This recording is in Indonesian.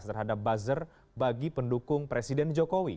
terhadap buzzer bagi pendukung presiden jokowi